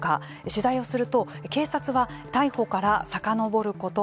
取材をすると警察は逮捕からさかのぼること